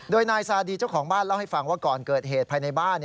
โดยนายซาดีเจ้าของบ้านเล่าให้ฟังว่าก่อนเกิดเหตุภายในบ้าน